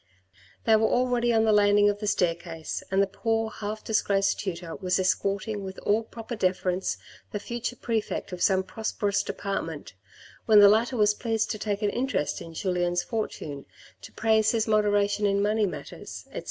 They were already on the landing of the staircase and the poor half disgraced tutor was escorting with all proper deference the future prefect of some prosperous department, when the latter was pleased to take an interest in Julien's fortune, to praise his moderation in money matters, etc.